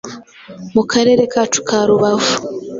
Mu karere kacu ka Rubavu